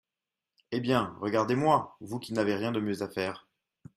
Eh bien, regardez-moi, vous qui n’avez rien de mieux à faire !